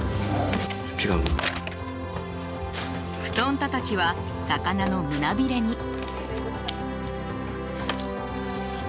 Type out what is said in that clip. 布団たたきは魚の胸びれに。